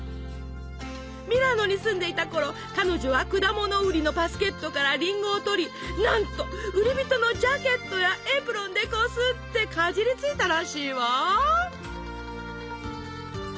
ミラノに住んでいたころ彼女は果物売りのバスケットからりんごをとりなんと売り人のジャケットやエプロンでこすってかじりついたらしいわ！